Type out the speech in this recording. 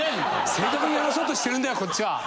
正確に話そうとしてるんだよこっちは。